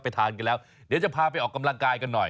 ทานกันแล้วเดี๋ยวจะพาไปออกกำลังกายกันหน่อย